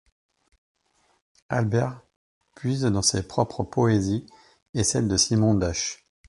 Albert puise dans ses propres poésies et celles de Simon Dach.